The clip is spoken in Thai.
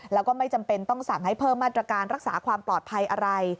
แล้วก็ไม่จำเป็นต้องสั่งให้เพิ่มมาตรการรักษาความปลอดภัยอะไร